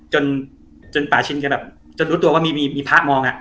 จนจนป่าชินแกแบบจนรู้ตัวว่ามีพระมองอ่ะ